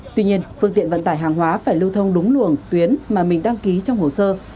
tuy nhiên phương tiện vận tải hàng hóa phải lưu thông đúng luồng tuyến mà mình đăng ký trong hồ sơ